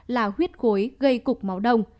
là huyết khối gây cục máu đông